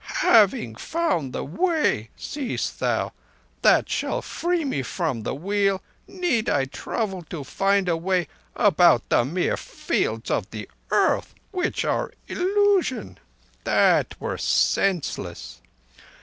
Having found the Way, seest thou, that shall free me from the Wheel, need I trouble to find a way about the mere fields of earth—which are illusion? That were senseless.